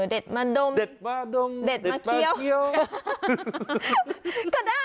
เต็ดมาดมเต็ดมาดมเต็ดมาเขี้ยวกัน